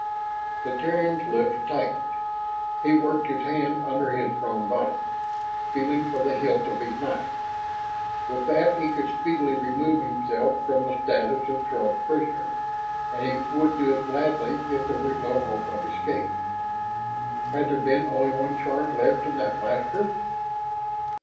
The Terran's lips tightened. He worked his hand under his prone body, feeling for the hilt of his knife. With that he could speedily remove himself from the status of Throg prisoner, and he would do it gladly if there was no hope of escape. Had there been only one charge left in that blaster?